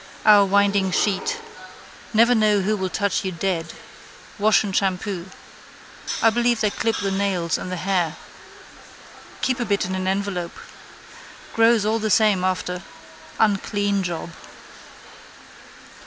Our windingsheet. Never know who will touch you dead. Wash and shampoo. I believe they clip the nails and the hair. Keep a bit in an envelope. Grows all the same after. Unclean job.